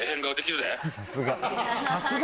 さすが！